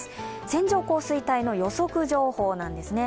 線状降水帯の予測情報なんですね。